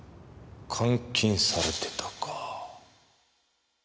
監禁されてたか。